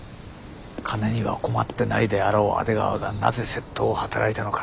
金には困ってないであろう阿出川がなぜ窃盗を働いたのか。